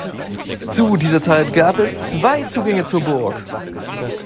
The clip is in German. Zu dieser Zeit gab es zwei Zugänge zur Burg.